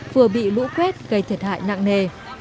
vừa bị lũ quét gây thiệt hại nặng nề